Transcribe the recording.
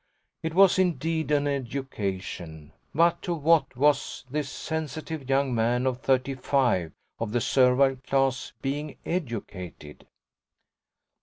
It was indeed an education, but to what was this sensitive young man of thirty five, of the servile class, being educated?